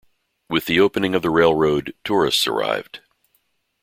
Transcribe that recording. With the opening of the railroad, tourists arrived.